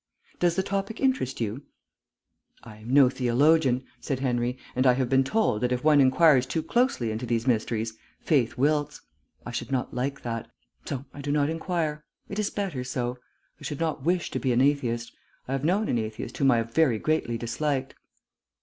Does the topic interest you?" "I am no theologian," said Henry. "And I have been told that if one inquires too closely into these mysteries, faith wilts. I should not like that. So I do not inquire. It is better so. I should not wish to be an atheist. I have known an atheist whom I have very greatly disliked."